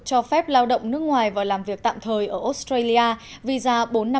cho phép lao động nước ngoài và làm việc tạm thời ở australia visa bốn trăm năm mươi bảy